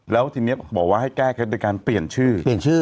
แล้วทีนี้บอกว่าให้แก้เครียดการเปลี่ยนชื่อ